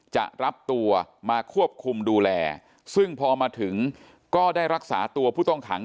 จะรับตัวมาควบคุมดูแลซึ่งพอมาถึงก็ได้รักษาตัวผู้ต้องขัง